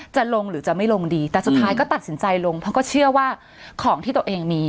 จะลงหรือจะไม่ลงดีแต่สุดท้ายก็ตัดสินใจลงเพราะก็เชื่อว่าของที่ตัวเองมี